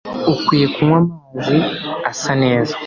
Ukwiye kunywa amazi asa neza